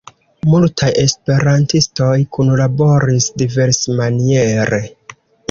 Multaj esperantistoj kunlaboris diversmaniere.